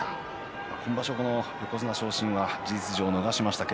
今場所、横綱昇進事実上逃しました。